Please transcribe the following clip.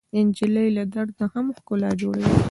نجلۍ له درد نه هم ښکلا جوړوي.